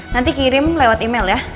nanti kirim lewat email ya